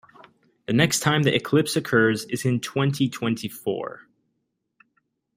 The next time the eclipse occurs is in twenty-twenty-four.